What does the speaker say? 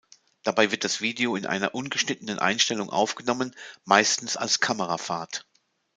Dabei wird das Video in einer ungeschnittenen Einstellung aufgenommen, meistens als Kamerafahrt.